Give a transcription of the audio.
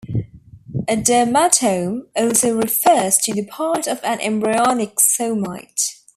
A dermatome also refers to the part of an embryonic somite.